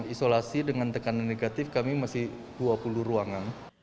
isolasi dengan tekanan negatif kami masih dua puluh ruangan